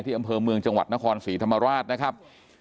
อำเภอเมืองจังหวัดนครศรีธรรมราชนะครับ